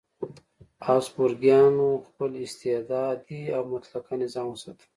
هابسبورګیانو خپل استبدادي او مطلقه نظام وساته.